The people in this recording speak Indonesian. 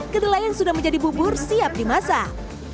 kedelai yang sudah menjadi bubur siap dimasak